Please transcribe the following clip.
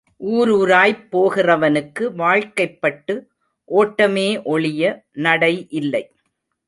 ஊரூராய்ப் போகிறவனுக்கு வாழ்க்கைப்பட்டு ஓட்டமே ஒழிய நடை இல்லை.